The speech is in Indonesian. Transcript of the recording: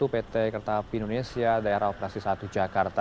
pt kereta api indonesia daerah operasi satu jakarta